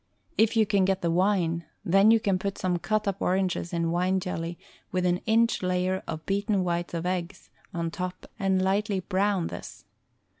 If you can get the wine then you put some cut up oranges in wine jelly with an inch layer of beaten whites of eggs on top and lightly brown this.